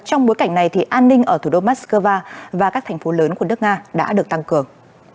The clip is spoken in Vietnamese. trong bối cảnh này an ninh ở thủ đô moscow và các thành phố lớn của nước nga đã được tăng cường